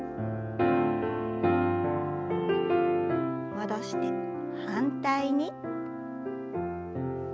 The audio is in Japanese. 戻して反対に。